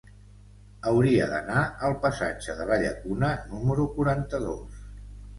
Hauria d'anar al passatge de la Llacuna número quaranta-dos.